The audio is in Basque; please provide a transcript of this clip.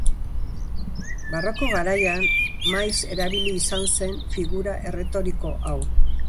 Barroko garaian maiz erabili izan zen figura erretoriko hau.